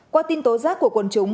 qua tin tố giác của quần chúng